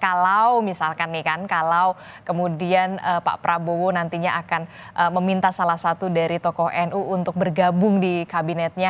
kalau misalkan nih kan kalau kemudian pak prabowo nantinya akan meminta salah satu dari tokoh nu untuk bergabung di kabinetnya